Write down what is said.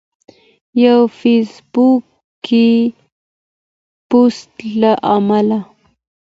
د یو فیسبوکي پوسټ له امله